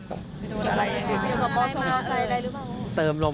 ตื่นอะไรอ่ะครับ